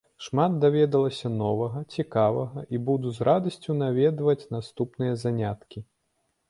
Шмат даведалася новага, цікавага, і буду з радасцю наведваць наступныя заняткі.